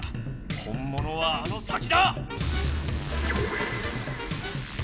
本ものはあの先だ！